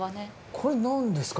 これなんですか？